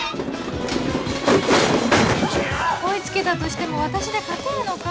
追い付けたとしても私で勝てるのか？